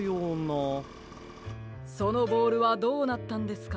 そのボールはどうなったんですか？